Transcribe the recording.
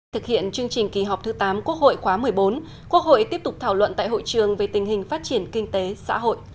thực hiện chương trình kỳ họp thứ tám quốc hội khóa một mươi bốn quốc hội tiếp tục thảo luận tại hội trường về tình hình phát triển kinh tế xã hội